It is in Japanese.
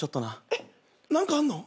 えっ何かあんの？